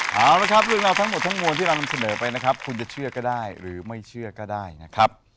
เอาละครับเรื่องราวทั้งหมดทั้งมวลที่เรานำเสนอไปนะครับคุณจะเชื่อก็ได้หรือไม่เชื่อก็ได้นะครับ